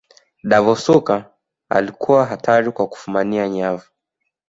davor suker alikuwa hatari kwa kufumania nyavu